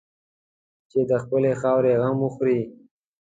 چې د خپلې خاورې غم وخوري.